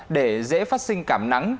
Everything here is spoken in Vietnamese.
để dễ phát sinh cảm nắng